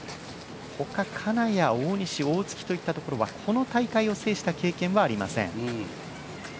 ほか、金谷、大西、大槻といったあたりはこの大会を制した経験はありません。